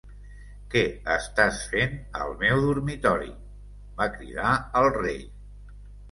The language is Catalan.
"Què estàs fent al meu dormitori?", va cridar el Rei.